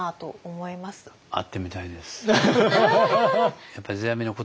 会ってみたいです。